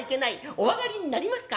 お上がりになりますか？